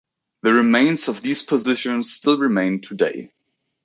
The remains of these positions still remain today.